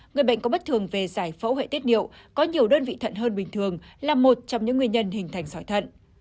người bệnh có bất thường về giải phẫu hệ tiết niệu có nhiều đơn vị thận hơn bình thường là một trong những nguyên nhân hình thành sỏi thận